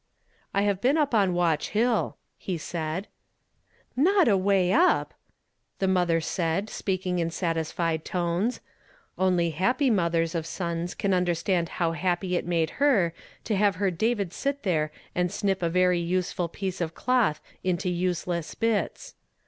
" I have been up on Watch Hill," he said. " Not away up !" the mother said, speaking in satisfied tones ; only happy mothers of sons can understand how happy it made her to have her David sit there and snip a very useful piece of cloth into useless bits.